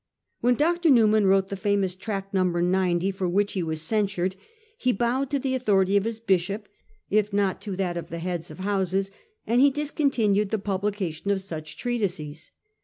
When Dr. Newman wrote the famous Tract 'No. 90,' for which he was censured, he bowed to the authority of his bishop if not to that of the heads of houses ; and he discontinued the publi cation of such treatises.